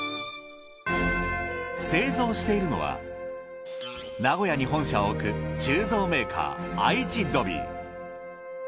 製造しているのは名古屋に本社を置く鋳造メーカー愛知ドビー。